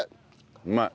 うまい。